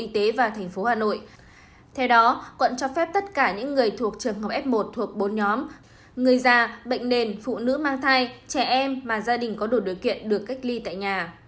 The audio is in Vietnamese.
theo đó quận cho phép tất cả những người thuộc trường hợp f một thuộc bốn nhóm người già bệnh nền phụ nữ mang thai trẻ em mà gia đình có đủ điều kiện được cách ly tại nhà